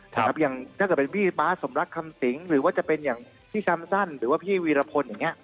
อย่างถ้าเกิดเป็นพี่ป๊าสมรักคำสิงหรือว่าจะเป็นอย่างพี่คำสั้นหรือว่าพี่วีรพลอย่างนี้